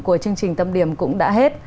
của chương trình thâm điểm cũng đã hết